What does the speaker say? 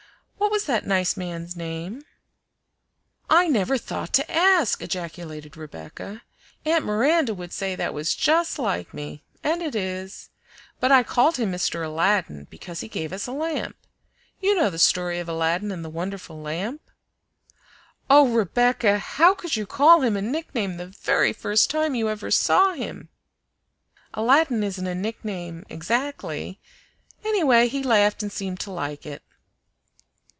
What was the nice man's name?" "I never thought to ask!" ejaculated Rebecca. "Aunt Miranda would say that was just like me, and it is. But I called him Mr. Aladdin because he gave us a lamp. You know the story of Aladdin and the wonderful lamp?" "Oh, Rebecca! how could you call him a nickname the very first time you ever saw him?" "Aladdin isn't a nickname exactly; anyway, he laughed and seemed to like it."